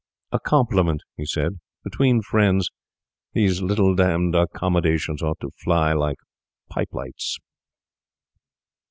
'A compliment,' he said. 'Between friends these little d d accommodations ought to fly like pipe lights.